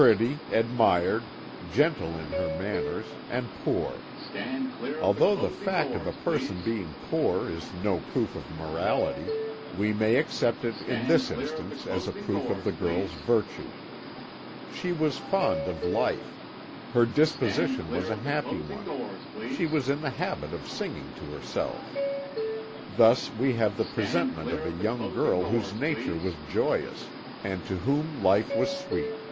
Pretty, admired, gentle in her manners, and poor. Although the fact of a person being poor is no proof of morality, we may accept it in this instance as a proof of the girl's virtue. She was fond of life: her disposition was a happy one; she was in the habit of singing to herself. "Thus we have the presentment of a young girl whose nature was joyous, and to whom life was sweet.